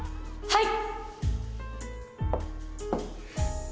はい？